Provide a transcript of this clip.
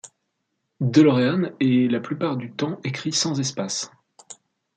DeLorean est la plupart du temps écrit sans espace.